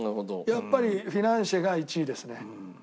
やっぱりフィナンシェが１位ですね。